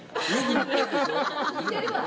似てるわ。